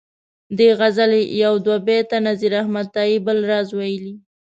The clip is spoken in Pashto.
دې غزلي یو دوه بیته نذیر احمد تائي بل راز ویلي.